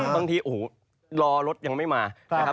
บางทีโอ้โหรอรถยังไม่มานะครับ